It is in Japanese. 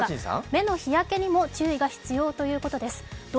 目の日焼けにも注意が必要ということです。